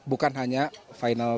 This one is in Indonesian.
bukan hanya final